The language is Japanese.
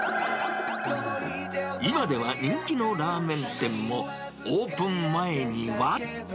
今では人気のラーメン店も、オープン前には。